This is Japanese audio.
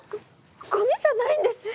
ゴゴミじゃないんです！